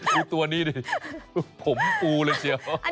ดูตัวนี้ดิผมปูเลยเชียว